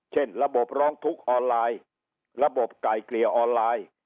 เช่นระบบร้องทุกข์ออนไลน์ระบบไก่เกลี่ยออนไลน์